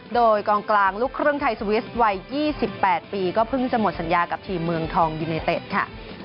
โดยกองกลางลูกครึ่งไทยสวิสวัย๒๘ปีก็เพิ่งจะหมดสัญญากับทีมเมืองทองยูเนเต็ดค่ะ